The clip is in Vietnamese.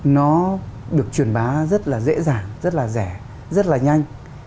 nó được truyền bá rất là dễ dàng rất là rẻ rất là nhanh